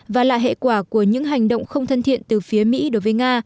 và là hệ quả của những hành động không thân thiện từ phía mỹ đối với nga